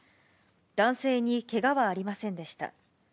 男性にけがはありませんでした。